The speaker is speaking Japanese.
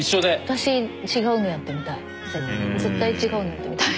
私違うのやってみたい絶対違うのやってみたい。